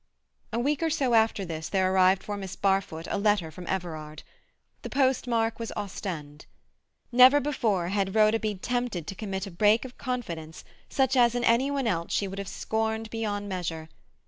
A week or so after this there arrived for Miss Barfoot a letter from Everard. The postmark was Ostend. Never before had Rhoda been tempted to commit a break of confidence such as in any one else she would have scorned beyond measure.